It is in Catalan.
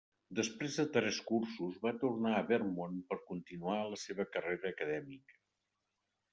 Després de tres cursos, va tornar a Vermont per continuar la seva carrera acadèmica.